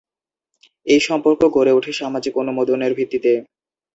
এই সম্পর্ক গড়ে উঠে সামাজিক অনুমদনের ভিত্তিতে।